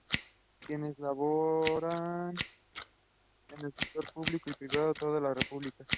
Quienes laboran en el sector público y privado de toda la república.